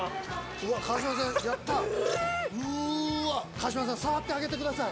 川島さん、触ってあげてください。